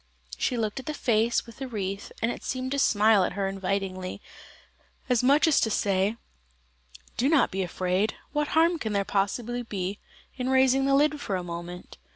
She looked at the face with the wreath, and it seemed to smile at her invitingly, as much as to say: "Do not be afraid, what harm can there possibly be in raising the lid for a moment?"